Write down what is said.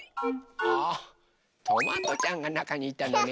あトマトちゃんがなかにいたのね。